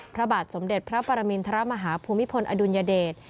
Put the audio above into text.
พระบาทสมเด็จพระปรมินทรมาฮาภูมิพลอดุลยเดช